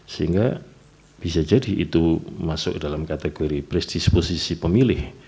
sehingga bisa jadi itu masuk dalam kategori pres disposisi pemilih